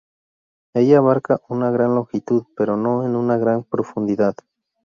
Ella abarca una gran longitud, pero no en una gran profundidad.